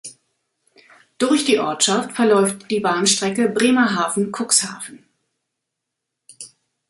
Durch die Ortschaft verläuft die Bahnstrecke Bremerhaven–Cuxhaven.